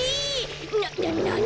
ななに？